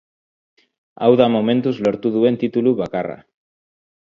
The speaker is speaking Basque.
Hau da momentuz lortu duen titulu bakarra.